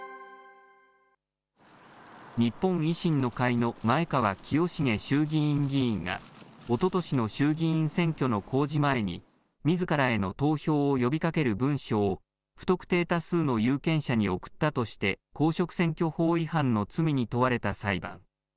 日本維新の会の前川清成衆議院議員が、おととしの衆議院選挙の公示前に、みずからへの投票を呼びかける文書を、不特定多数の有権者に送ったとして、公職選挙法違反の罪に問われた裁判。